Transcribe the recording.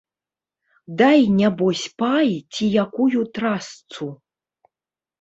Дай нябось пай ці якую трасцу.